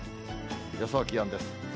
予想気温です。